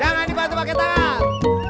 jangan dibantu pake tangan